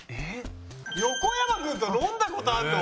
横山君と飲んだ事あるの？